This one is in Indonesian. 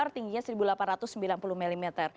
tingginya seribu delapan ratus sembilan puluh mm